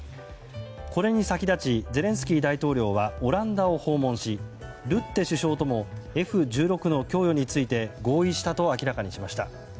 これに先立ちゼレンスキー大統領はオランダを訪問しルッテ首相ともＦ１６の供与について合意したと明らかにしました。